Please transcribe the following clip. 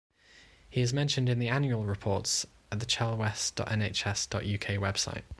He is mentioned in the annual reports at the chelwest.nhs dot uk website.